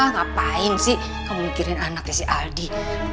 ngapain sih kamu mikirin anaknya si adi